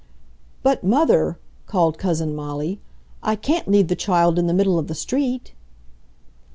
"But, Mother!" called Cousin Molly, "I can't leave the child in the middle of the street!"